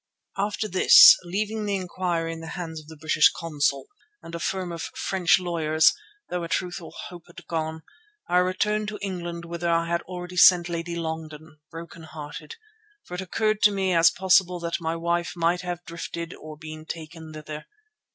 After this, leaving the inquiry in the hands of the British Consul and a firm of French lawyers, although in truth all hope had gone, I returned to England whither I had already sent Lady Longden, broken hearted, for it occurred to me as possible that my wife might have drifted or been taken thither.